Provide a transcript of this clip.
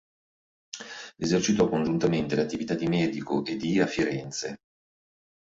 Esercitò congiuntamente le attività di medico e di a Firenze.